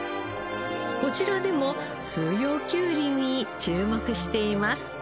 こちらでも四葉きゅうりに注目しています。